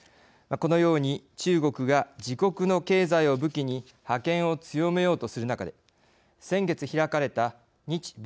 このように中国が自国の経済を武器に覇権を強めようとする中で先月開かれた日・米